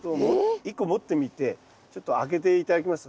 １個持ってみてちょっと開けて頂けます？